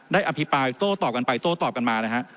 อภิปรายโต้ตอบกันไปโต้ตอบกันมานะฮะ